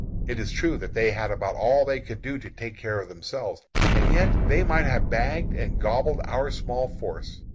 It is true that they had about all they could do to take care of themselves, and yet they might have bagged and gobbled our small force.